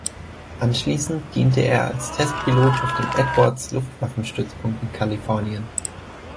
Anschließend diente er als Testpilot auf dem Edwards-Luftwaffen-Stützpunkt in Kalifornien.